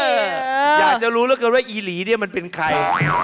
อยากจะรู้แล้วกันว่าอีหลีเนี่ยมันเป็นใคร